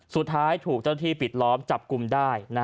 สุดท้ายถูกเจ้าที่ปิดล้อมจับกลุ่มได้